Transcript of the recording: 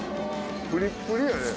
プリップリやね。